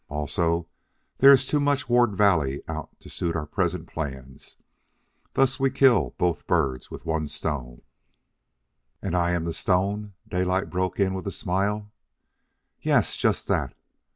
Also, there is too much Ward Valley out to suit our present plans. Thus we kill both birds with one stone " "And I am the stone," Daylight broke in with a smile. "Yes, just that.